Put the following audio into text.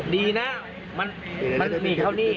ดีนะมันเหน่ียบเข้านี้